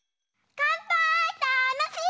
かんぱーいたのしい！